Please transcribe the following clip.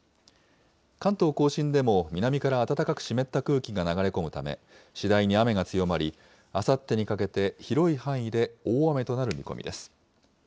関東甲信でも南から暖かく湿った空気が流れ込むため、次第に雨が強まり、あさってにかけて広い範囲で大雨となる見込みです。